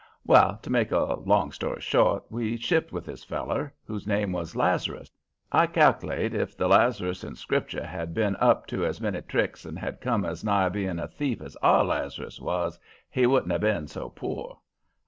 "Well, to make a long story short, we shipped with this feller, whose name was Lazarus. I cal'late if the Lazarus in Scriptur' had been up to as many tricks and had come as nigh being a thief as our Lazarus was, he wouldn't have been so poor.